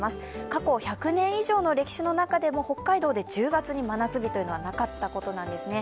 過去１００年以上の歴史の中でも北海道で１０月に真夏日というのはなかったことなんですね。